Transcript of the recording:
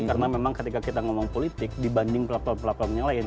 karena memang ketika kita ngomong politik dibanding peluang peluang peluangnya lainnya